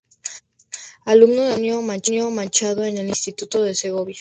Alumno de Antonio Machado en el Instituto de Segovia.